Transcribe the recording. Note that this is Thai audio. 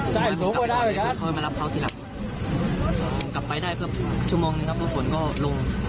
แล้วก็ชั่วโมงหนึ่งครับว่าฝนก็ลง